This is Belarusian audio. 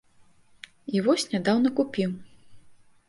І вось нядаўна купіў.